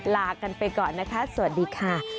ลากันไปก่อนนะคะสวัสดีค่ะ